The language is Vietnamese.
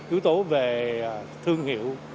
yếu tố về thương hiệu